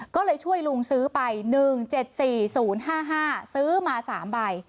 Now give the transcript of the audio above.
ก็เลยช่วยลุงซื้อไป๑๗๔๐๕๕ซื้อมา๓ใบ